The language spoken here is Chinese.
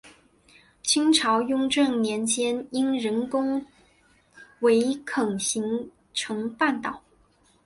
清朝雍正年间因人工围垦形成半岛。